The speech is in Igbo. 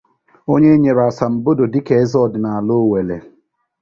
onye e nyere asambodo dịka eze ọdịnala Owelle